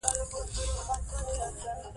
د هضم سیستم او دماغ ترمنځ اړیکه مهمه ده.